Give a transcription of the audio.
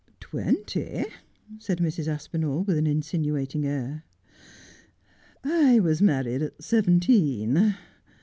' Twenty,' said Mrs. Aspinall, with an insinuating air. ' I was married at seventeen.'